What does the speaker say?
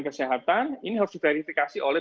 kesehatan ini harus diverifikasi oleh